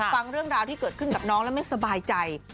ฟังเรื่องราวที่เกิดขึ้นกับน้องแล้วไม่สบายใจ